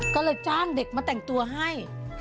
ก็เลยจ้างเด็กมาแต่งตัวให้